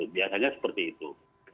biasanya seperti itu